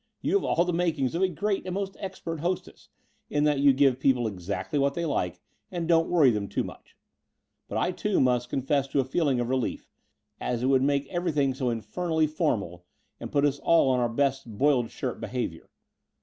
"You have all the makings of a great and most expert hostess, in that you give people exactly what they like and don't worry them too much. But I, too, must confess to a feeling of relief, as it would make everjrthing so infernally formal, and put us all upon our best 'boiled shirt' behaviour.